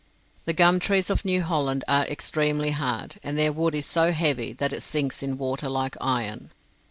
The gum trees of New Holland are extremely hard, and their wood is so heavy that it sinks in water like iron.